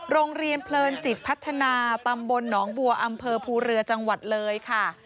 โรงเรียนเพลินจิตพัฒนาตำบลหนองบัวอำเภอภูเรือจังหวัดเลยค่ะ